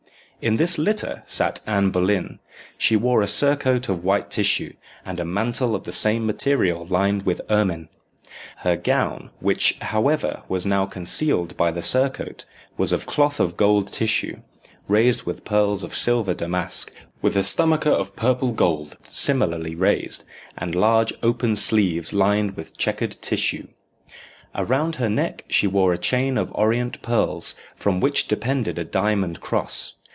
In this litter sat Anne Boleyn. She wore a surcoat of white tissue, and a mantle of the same material lined with ermine. Her gown, which, however, was now concealed by the surcoat, was of cloth of gold tissue, raised with pearls of silver damask, with a stomacher of purple gold similarly raised, and large open sleeves lined with chequered tissue. Around her neck she wore a chain of orient pearls, from which depended a diamond cross.